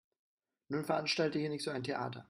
Nun veranstalte hier nicht so ein Theater.